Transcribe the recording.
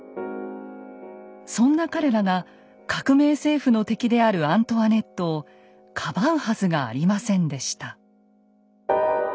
そんな彼らが革命政府の敵であるアントワネットをかばうはずがありませんでした。